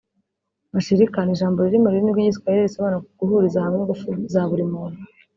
Mashirika ni ijambo riri mu rurimi rw’Igiswahili risobanura guhuriza hamwe ingufu za buri muntu